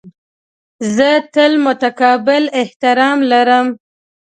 زه تل متقابل احترام لرم.